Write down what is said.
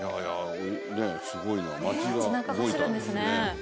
すごい、街が行政が動いたんですね。